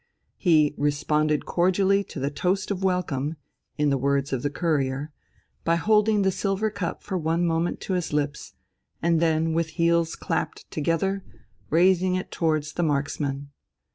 He "responded cordially to the toast of welcome," in the words of the Courier, by holding the silver cup for one moment to his lips, and then with heels clapped together, raising it towards the marksmen.